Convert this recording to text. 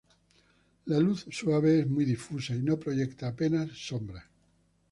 La luz suave es muy difusa y no proyecta apenas sombras.